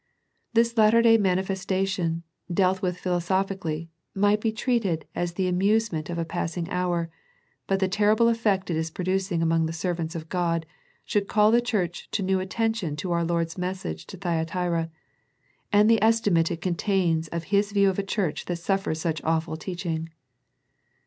This latter day manifestation, dealt with phil osophically, might be treated as the amuse ment of a passing hour, but the terrible effect it is producing among the servants of God, should call the Church to new attention to our Lord's message to Thyatira, and the estimate it contains of His view of a church that suffers such awful teaching.